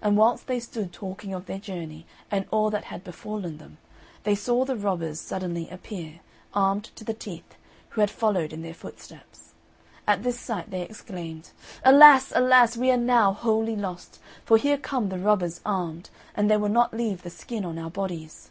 And whilst they stood talking of their journey and all that had befallen them, they saw the robbers suddenly appear, armed to the teeth, who had followed in their footsteps. At this sight they exclaimed, "Alas, alas! we are now wholly lost, for here come the robbers armed, and they will not leave the skin on our bodies."